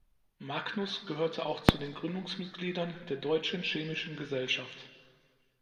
Magnus gehörte auch zu den Gründungsmitgliedern der Deutschen Chemischen Gesellschaft.